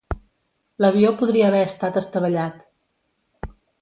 L'avió podria haver estat estavellat.